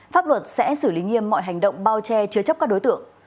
pháp luật sẽ xử lý nghiêm mọi hành động bao che chứa chấp các đối tượng